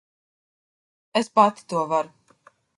Es pati to varu.